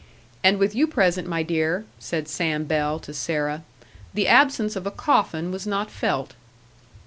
"And with you present, my dear," said Sam Bell to Sarah, "the absence of a coffin was not felt."